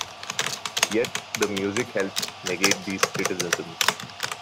Yet the music helps negate these criticisms.